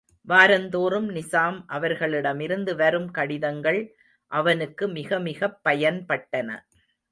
வாரந்தோறும், நிசாம் அவர்களிடமிருந்து வரும் கடிதங்கள் அவனுக்கு மிகமிகப் பயன்பட்டன.